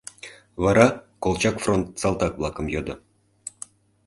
Вара колчак фронт салтак-влакым йодо.